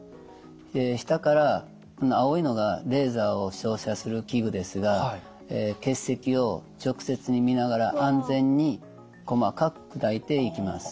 下からこの青いのがレーザーを照射する器具ですが結石を直接に見ながら安全に細かく砕いていきます。